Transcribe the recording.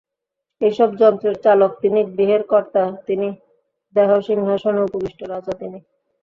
এইসব যন্ত্রের চালক তিনি, গৃহের কর্তা তিনি, দেহ-সিংহাসনে উপবিষ্ট রাজা তিনি।